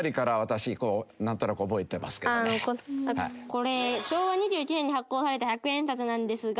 これ昭和２１年に発行された百円札なんですが。